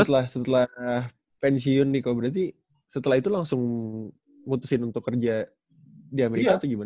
setelah pensiun nih kok berarti setelah itu langsung ngutusin untuk kerja di amerika atau gimana